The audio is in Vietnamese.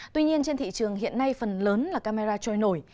tuy nhiên trên thị trường hiện nay phần lớn là camera trôi nổi